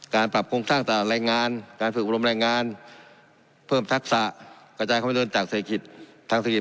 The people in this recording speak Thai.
การปรับคงสร้างต่อแรงงานการฝึกพรมแรงงานเพิ่มทักษะกระจายความเงินจากเศรษฐกิจ